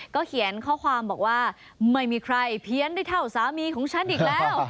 เขียนข้อความบอกว่าไม่มีใครเพี้ยนได้เท่าสามีของฉันอีกแล้ว